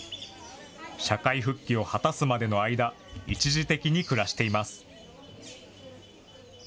社会復帰を果たすまでの間、一時的に暮らしています。